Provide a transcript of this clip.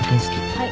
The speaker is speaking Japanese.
はい。